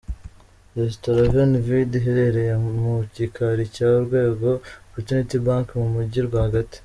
Restaurant Veni Vidi iherereye mu gikari cya Urwego Opportunity Bank mu mujyi rwagati.